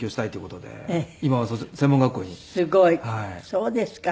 そうですか。